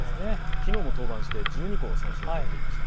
昨日も登板して１２個三振を取っていました。